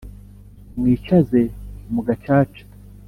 Mwicaze mu gacaca